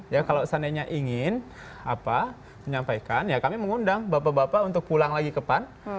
ya kalau seandainya ingin menyampaikan ya kami mengundang bapak bapak untuk pulang lagi ke pan